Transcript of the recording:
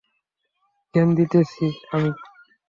জ্ঞান দিতেছি আমি?